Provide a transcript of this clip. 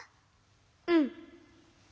うん。